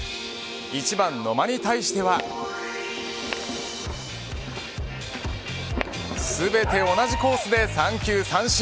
１番野間に対しては全て同じコースで３球三振。